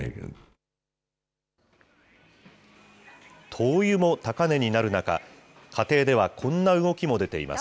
灯油も高値になる中、家庭ではこんな動きも出ています。